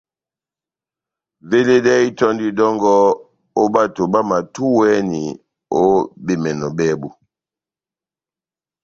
Veledɛhɛ itɔ́ndi dɔ́ngɔ ó bato bámatúwɛni ó bemɛnɔ bábu.